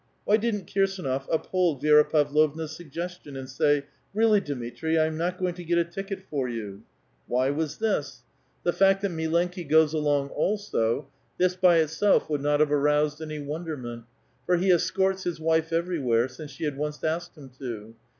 " why didn't Kirsdnof uphold Vi^ra Pavlovna's suggestion, and say, " Really, Dmitri, I am not going to get a ticket for you"; why was this? The A VITAL QUESTION. 257 «ct that milenki goes along also, this by itself would not have oused any wonderment ; for he escorts his wife everywhere, ince she had once asked him to.